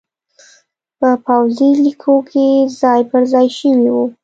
په پوځي لیکو کې ځای پرځای شوي وو